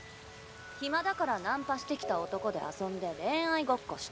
暇だからナンパしてきた男で遊んで恋愛ごっこしてる。